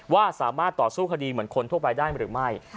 ว่าสามารถต่อสู้คดีเหมือนคนทั่วไปได้หรือไม่